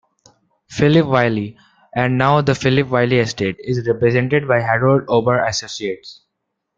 Philip Wylie, and now the Philip Wylie estate, is represented by Harold Ober Associates.